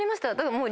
もう。